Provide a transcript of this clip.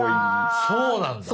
そうなんだ！